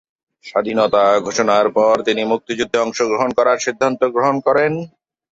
স্বাধীনতা ঘোষণার পর তিনি মুক্তিযুদ্ধে অংশগ্রহণ করার সিদ্ধান্ত গ্রহণ করেন।